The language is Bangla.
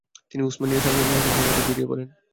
তিনি উসমানীয় সাম্রাজ্যের সাথে সংঘাতে জড়িয়ে পড়েন।